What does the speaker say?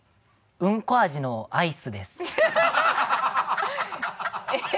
うんこ味のアイス。